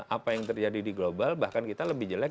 apa yang terjadi di global bahkan kita lebih jelek